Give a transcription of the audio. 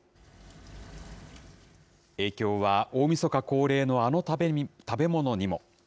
影響は大みそか恒例のあの食べ物にも。